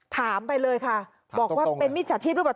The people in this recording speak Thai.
ถามไปเลยค่ะบอกว่าเป็นมิจฉาชีพหรือเปล่า